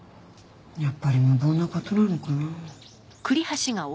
やっぱり無謀な事なのかな。